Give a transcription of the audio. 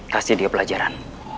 kasih dia pelajaran